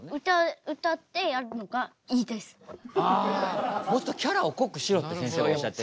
あもっとキャラを濃くしろってせんせいはおっしゃってる。